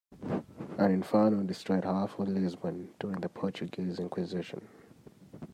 An inferno destroyed half of Lisbon during the Portuguese inquisition.